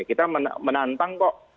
kita menantang kok